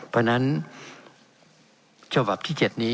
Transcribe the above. เป็นของสมาชิกสภาพภูมิแทนรัฐรนดร